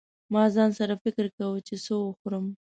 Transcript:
ما ځان سره فکر کاوه چې څه وخورم.